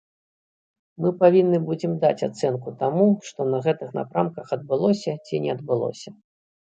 Мы павінны будзем даць ацэнку таму, што на гэтых напрамках адбылося ці не адбылося.